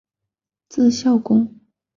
字孝公。